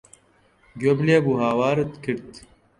گوێم لێ بوو هاوارت کرد.